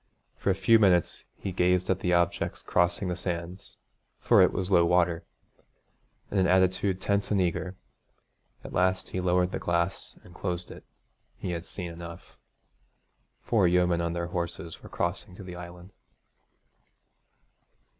For a few minutes he gazed at the objects crossing the sands for it was low water in an attitude tense and eager. At last he lowered the glass and closed it. He had seen enough. Four yeomen on their horses were crossing to the island.